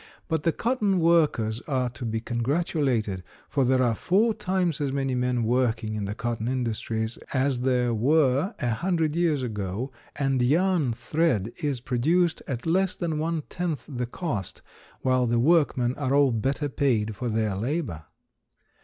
But the cotton workers are to be congratulated, for there are four times as many men working in the cotton industries as there were a hundred years ago, and yarn thread is produced at less than one tenth the cost while the workmen are all better paid for their labor.